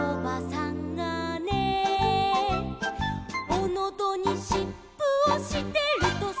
「おのどにしっぷをしてるとさ」